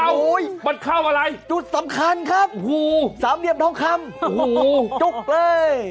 โอ้โหปัดเข้าอะไรจุดสำคัญครับสามเหนียมทองคำจุกเลย